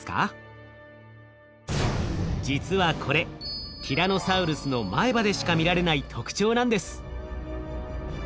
実はこれティラノサウルスの前歯でしか見られない特徴なんです。